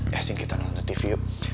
ya singkirin nonton tv yuk